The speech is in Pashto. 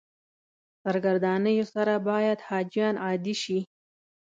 سرګردانیو سره باید حاجیان عادي شي.